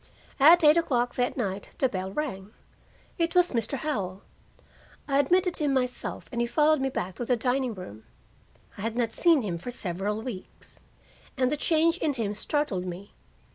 At eight o'clock that night the bell rang. It was Mr. Howell. I admitted him myself, and he followed me back to the dining room. I had not seen him for several weeks, and the change in him startled me.